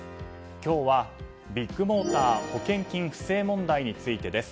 今日はビッグモーター保険金不正問題についてです。